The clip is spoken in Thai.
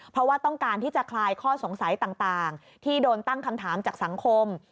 เพราะว่าต้องการที่จะคลายข้อสงสัยต่างที่โดนตั้งคำถามจากสังคม